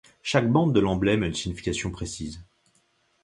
Chaque bande de l’emblème a une signification précise.